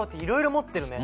持ってるよ。